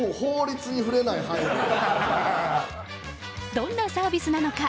どんなサービスなのか？